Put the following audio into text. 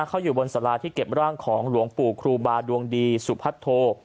เขาอยู่บนสาราที่เก็บร่างของหลวงปู่ครูบาดวงดีสุพัทโท